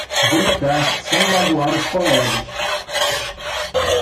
Brincar sem magoar os colegas.